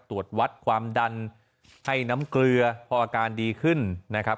ตรวจวัดความดันให้น้ำเกลือพออาการดีขึ้นนะครับ